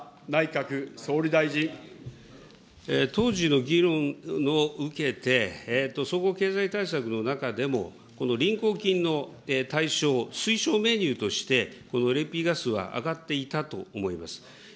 当時の議論を受けて、総合経済対策の中でも、この臨交金の対象、推奨メニューとして、このＬＰガスは挙がっていたと思います。